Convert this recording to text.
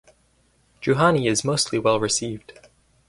Juhani is mostly well received.